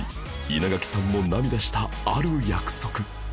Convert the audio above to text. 稲垣さんも涙したある約束